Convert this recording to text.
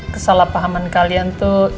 kesalahpahaman kalian tuh